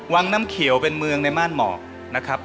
วางน้ำเขียวเป็นเมืองในมานมอก